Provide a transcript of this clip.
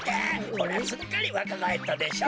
ほらすっかりわかがえったでしょ？